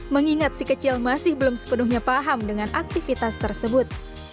mengingat si kecil masih belum sepenuhnya paham dengan aktivitas tersebut